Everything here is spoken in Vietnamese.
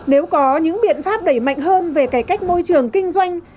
nếu có những biện pháp đẩy mạnh hơn về cải cách môi trường kinh doanh